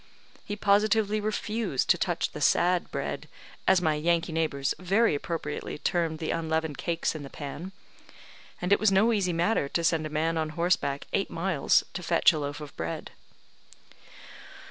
He positively refused to touch the sad bread, as my Yankee neighbours very appropriately termed the unleavened cakes in the pan; and it was no easy matter to send a man on horseback eight miles to fetch a loaf of bread.